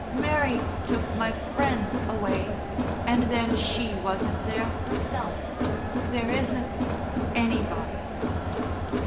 Mary took my Friend away and then she wasn't there herself. There isn't anybody."